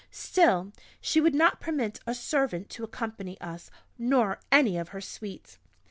Still she would not permit a servant to accompany us, nor any of her suite.